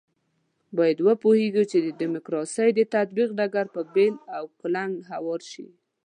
باید وپوهېږو چې د ډیموکراسۍ د تطبیق ډګر په بېل او کلنګ هوار شي.